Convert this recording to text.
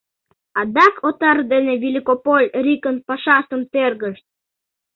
Адак Отар ден Великополь рикын пашаштым тергышт.